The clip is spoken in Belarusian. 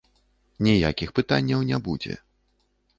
Ніякіх пытанняў не будзе.